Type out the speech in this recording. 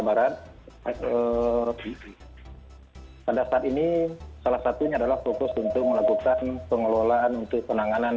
barat pada saat ini salah satunya adalah fokus untuk melakukan pengelolaan untuk penanganan